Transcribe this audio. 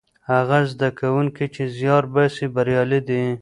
هغه زده کوونکي چې زیار باسي بریالي دي.